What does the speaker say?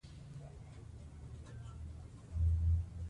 خدای پاک د محنت کونکو سره مل دی.